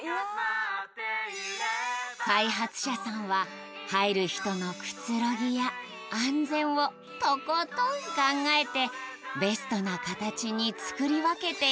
開発者さんは入る人のくつろぎや安全をとことん考えてベストなカタチに作り分けているの。